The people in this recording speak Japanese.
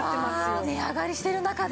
うわ値上がりしてる中で。